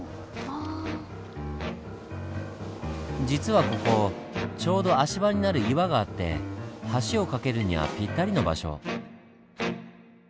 実はここちょうど足場になる岩があって橋を架けるにはぴったりの場所。